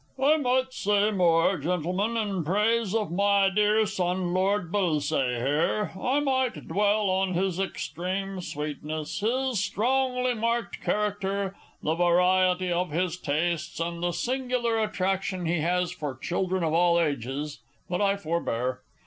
I might say more, Gentlemen, in praise of my dear son, Lord Bullsaye, here I might dwell on his extreme sweetness, his strongly marked character, the variety of his tastes, and the singular attraction he has for children of all ages but I forbear.